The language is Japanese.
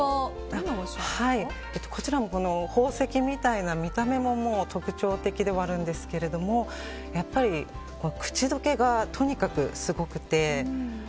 こちらも宝石みたいな見た目も特徴的ではあるんですがやっぱり口溶けがとにかくすごくて。